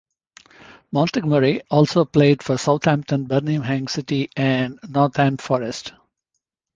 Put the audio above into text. Montgomery also played for Southampton, Birmingham City and Nottingham Forest.